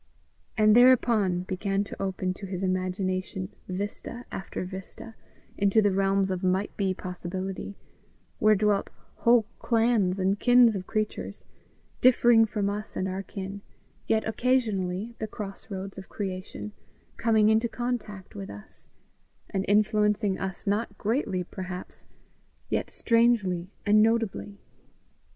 And thereupon began to open to his imagination vista after vista into the realms of might be possibility where dwelt whole clans and kins of creatures, differing from us and our kin, yet occasionally, at the cross roads of creation, coming into contact with us, and influencing us not greatly, perhaps, yet strangely and notably.